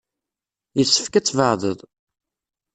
Yessefk ad tbeɛdeḍ.